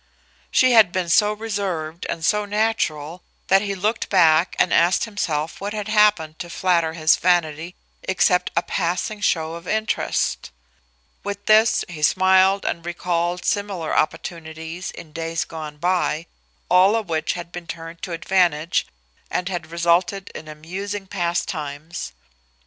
She had been so reserved and so natural that he looked back and asked himself what had happened to flatter his vanity except a passing show of interest. With this, he smiled and recalled similar opportunities in days gone by, all of which had been turned to advantage and had resulted in amusing pastimes.